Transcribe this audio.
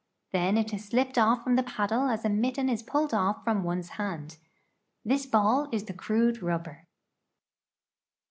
Then it is slipped off from the paddle as a mitten is pulled off from one's hand. This ball is the crude rubber."